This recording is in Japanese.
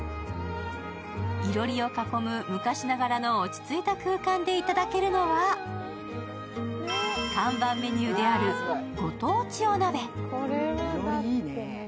囲炉裏を囲む、昔ながらの落ち着いた空間で頂けるのは、看板メニューであるご当地お鍋。